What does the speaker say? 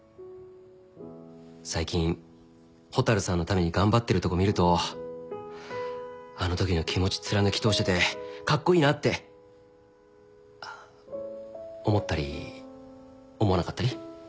最近蛍さんのために頑張ってるとこ見るとあのときの気持ち貫き通しててカッコイイなって思ったり思わなかったりラジバンダリ。